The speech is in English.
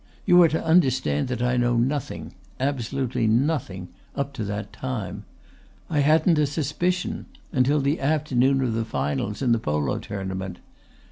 You are to understand that I knew nothing absolutely nothing up to that time. I hadn't a suspicion until the afternoon of the finals in the Polo Tournament.